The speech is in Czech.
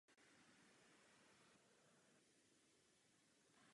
Již v raném věku projevoval výtvarný talent.